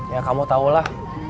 ya kamu tau lah